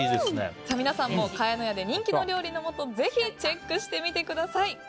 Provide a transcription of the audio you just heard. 皆さんも茅乃舎で人気の料理の素ぜひ、チェックしてみてください。